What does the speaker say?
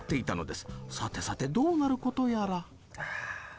さてさてどうなることやら。